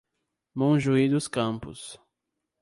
Mojuí dos Campos